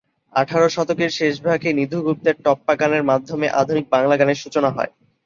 আঠারো শতকের শেষভাগে নিধু গুপ্তের টপ্পা গানের মাধ্যমে আধুনিক বাংলা গানের সূচনা হয়।